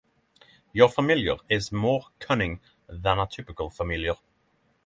Your familiar is more cunning than a typical familiar.